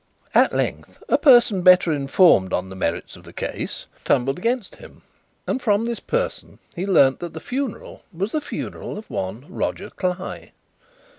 At length, a person better informed on the merits of the case, tumbled against him, and from this person he learned that the funeral was the funeral of one Roger Cly.